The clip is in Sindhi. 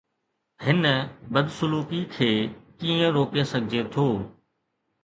هن بدسلوڪي کي ڪيئن روڪي سگهجي ٿو؟